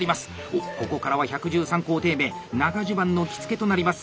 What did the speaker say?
おっここからは１１３工程目長襦袢の着付となります。